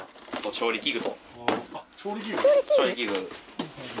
調理器具。